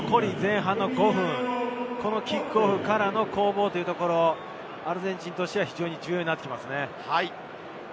残り前半の５分、キックオフからの攻防、アルゼンチンとしては非常に重要になってきますね。